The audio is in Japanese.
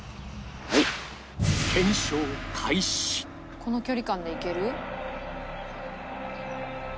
「この距離感でいける？」